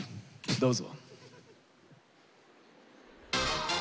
どうぞ。